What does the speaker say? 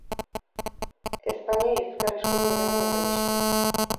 Ezpainei ezker-eskubi eragin eta lixto!